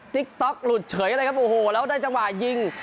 ติ๊กต๊อกหลุดเฉยเลยครับโอ้โหแล้วได้จังหวะยิง